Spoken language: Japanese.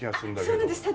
あっそうなんです。